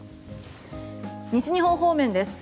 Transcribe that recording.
西日本方面です。